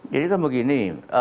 jadi kalau begini